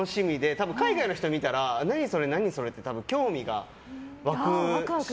多分、海外の人が見たら何それって興味が湧くし。